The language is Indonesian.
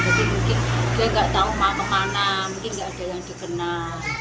jadi mungkin dia gak tau kemana mungkin gak ada yang dikenal